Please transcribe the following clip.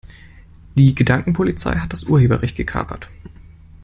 Die Gedankenpolizei hat das Urheberrecht gekapert.